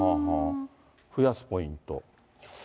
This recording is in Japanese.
増やすポイント。